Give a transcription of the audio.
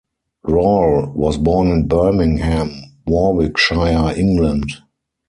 Rawle was born in Birmingham, Warwickshire, England.